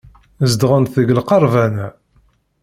Zedɣent deg lqerban-a.